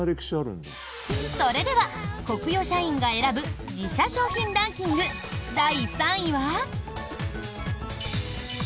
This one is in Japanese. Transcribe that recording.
それではコクヨ社員が選ぶ自社商品ランキング第３位は。